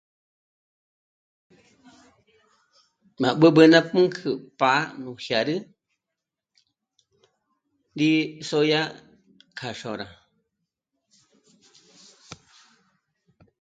M'a b'ǚb'ü ná pǔnk'ü pá'a nú jiârü rí sòdya kja xôra